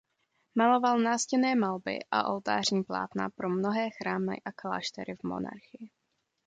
Maloval nástěnné malby a oltářní plátna pro mnohé chrámy a kláštery v monarchii.